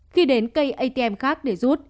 khi đến cây atm khác để rút